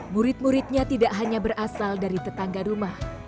murid muridnya tidak hanya berasal dari tetangga rumah